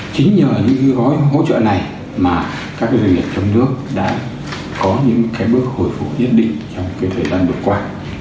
chính nhờ những cái gói hỗ trợ này mà các cái doanh nghiệp trong nước đã có những cái bước hồi phục nhất định trong cái thời gian vừa qua